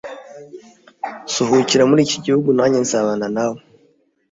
suhukira muri iki gihugu nanjye nzabana nawe